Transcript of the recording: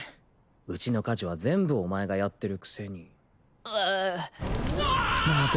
うちの家事は全部お前がやってるくせにああまあ